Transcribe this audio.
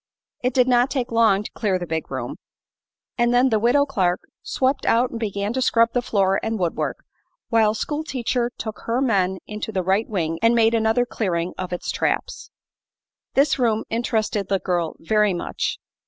It did not take long to clear the big room, and then the Widow Clark swept out and began to scrub the floor and woodwork, while school teacher took her men into the right wing and made another clearing of its traps. This room interested the girl very much.